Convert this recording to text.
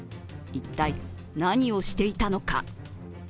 一体、何をしていたのか。